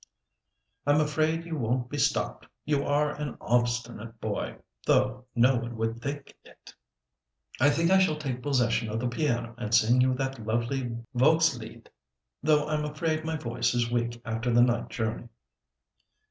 "I'm afraid you won't be stopped; you are an obstinate boy, though no one would think it. I think I shall take possession of the piano and sing you that lovely 'Volkslied,' though I'm afraid my voice is weak after the night journey."